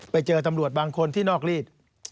ไปเจอตำรวจบางคนที่นอกรีด